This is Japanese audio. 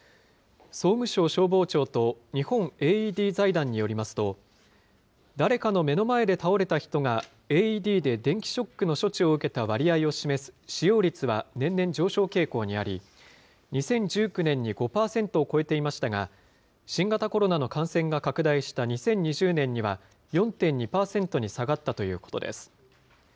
総務省消防庁と日本ＡＥＤ財団によりますと、誰かの目の前で倒れた人が、ＡＥＤで電気ショックの処置を受けた割合を示す、使用率は年々上昇傾向にあり、２０１９年に５％を超えていましたが、新型コロナの感染が拡大した２０２０年には、４．２％に下がったということです。